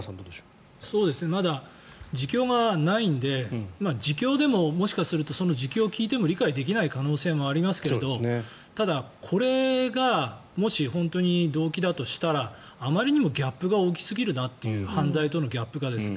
まだ自供がないので自供でもその自供を聞いても理解できない可能性もありますけどただ、これがもし本当に動機だとしたらあまりにも犯罪とのギャップが大きすぎるなという。